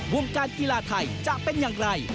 วงการกีฬาไทยจะเป็นอย่างไร